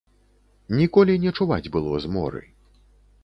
Ніколі не чуваць было зморы.